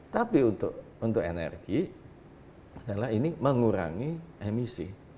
tapi untuk energi adalah ini mengurangi emisi